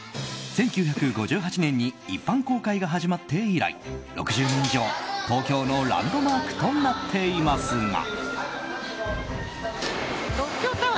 １９５８年に一般公開が始まって以来６０年以上、東京のランドマークとなっていますが。